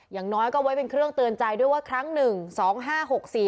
อย่างน้อยก็ไว้เป็นเครื่องเตือนใจด้วยว่าครั้งหนึ่งสองห้าหกสี่